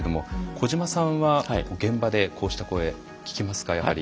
小島さんは現場でこうした声聞きますかやはり。